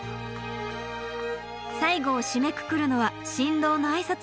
最後を締めくくるのは新郎の挨拶。